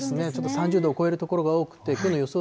３０度を超える所が多くて、きょうの予想